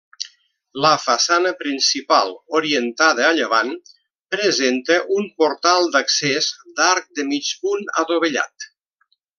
La façana principal, orientada a llevant, presenta un portal d'accés d'arc de mig punt adovellat.